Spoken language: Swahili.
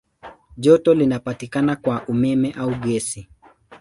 Joto linapatikana kwa umeme au gesi.